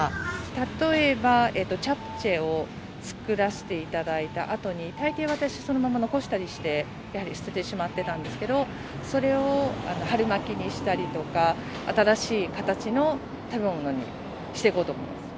例えばチャプチェを作らしていただいたあとに、たいてい私、そのまま残したりして、やはり捨ててしまってたんですけど、それを春巻きにしたりとか、新しい形の食べ物にしていこうと思います。